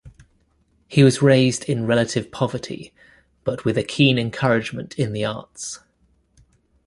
He was raised in relative poverty, but with a keen encouragement in the arts.